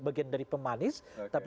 bagian dari pemanis tapi